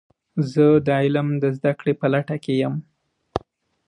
زه د علم د زده کړې په لټه کې یم.